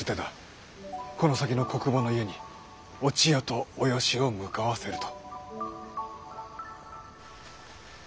この先の小久保の家にお千代とおよしを向かわせると。